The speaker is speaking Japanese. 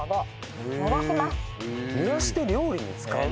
濡らして料理に使う？